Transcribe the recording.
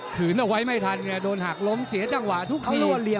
ขึ้นเอาไว้ไม่ทันเนี่ย